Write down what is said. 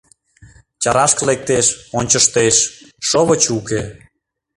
Чарашке лектеш, ончыштеш, шовыч уке.